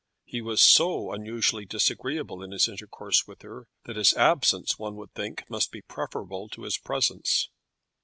He was so unusually disagreeable in his intercourse with her, that his absence, one would think, must be preferable to his presence.